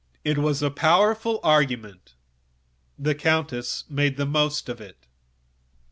This was a powerful argument, and the countess made the most of it.